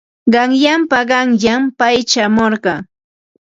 Qanyanpa qanyan pay chayamurqa.